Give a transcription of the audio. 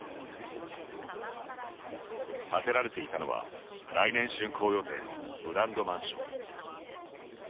建てられていたのは、来年竣工予定のブランドマンション。